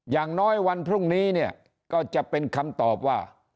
อย่างน้อยวันพรุ่งนี้เนี่ยก็จะเป็นคำตอบว่า